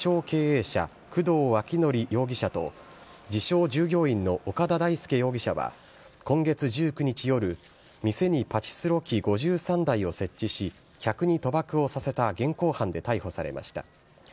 経営者、工藤あきのり容疑者と、自称従業員の岡田太介容疑者は、今月１９日夜、店にパチスロ機５３台を設置し、客に賭博をさせた現行犯で逮捕されました。